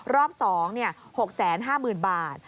รอบสอง๖๕๐๐๐๐บาท